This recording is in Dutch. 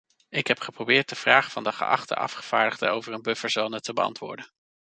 Ik heb geprobeerd de vraag van de geachte afgevaardigde over een bufferzone te beantwoorden.